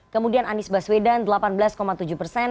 kemudian anies baswedan delapan belas tujuh persen